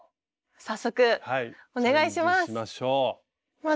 早速お願いします！